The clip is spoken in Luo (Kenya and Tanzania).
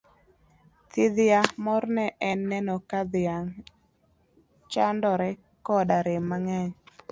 Thithia! Morne en neno ka dhiang' chadore koda rem mang'eny.